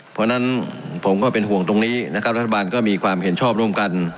เพราะฉะนั้นผมก็เป็นห่วงตรงนี้นะครับรัฐบาลก็มีความเห็นชอบร่วมกัน